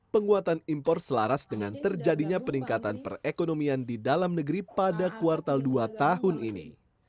penguatan impor selaras dengan terjadinya peningkatan perekonomian di dalam negeri pada kuartal dua tahun ini